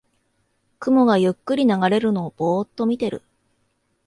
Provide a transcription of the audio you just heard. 雲がゆっくり流れるのをぼーっと見てる